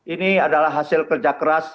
ini adalah hasil kerja keras